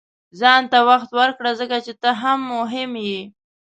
• ځان ته وخت ورکړه، ځکه چې ته هم مهم یې.